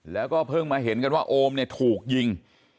แล้วก็เพิ่งมาเห็นกันว่าโอมเนี่ยถูกยิง